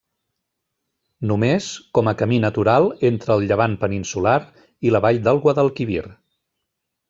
Només com a camí natural entre el llevant peninsular i la vall del Guadalquivir.